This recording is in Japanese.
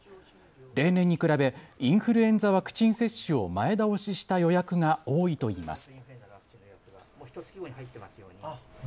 例年に比べインフルエンザワクチン接種を前倒しした予約が多いといいます。